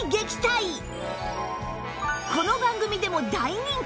この番組でも大人気！